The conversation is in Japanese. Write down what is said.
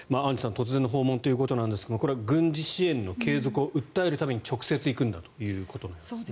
突然の訪問ということですが軍事支援の継続を訴えるために直接行くんだということですね。